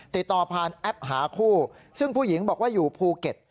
ติดต่อผ่านแอปหาคู่ซึ่งผู้หญิงบอกว่าอยู่ภูเก็ต